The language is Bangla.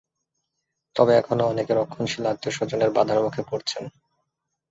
তবে এখনো অনেকে রক্ষণশীল আত্মীয়স্বজনের বাধার মুখে পড়ছেন।